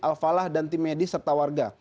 al falah dan tim medis serta warga